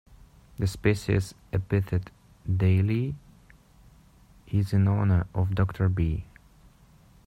The species epithet "dailyi" is in honor of Doctor B.